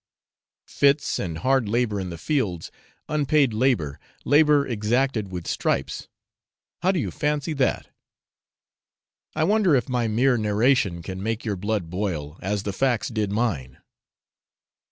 Fits and hard labour in the fields, unpaid labour, labour exacted with stripes how do you fancy that? I wonder if my mere narration can make your blood boil, as the facts did mine?